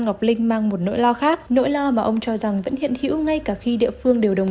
ngọc linh mang một nỗi lo khác nỗi lo mà ông cho rằng vẫn hiện hữu ngay cả khi địa phương đều đồng